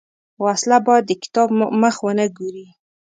وسله باید د کتاب مخ ونه ګوري